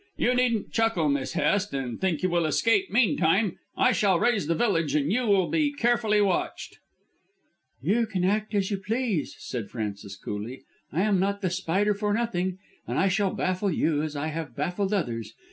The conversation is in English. You needn't chuckle, Miss Hest, and think you will escape meantime. I shall raise the village and you will be carefully watched." "You can act as you please," said Frances coolly. "I am not The Spider for nothing, and I shall baffle you as I have baffled others.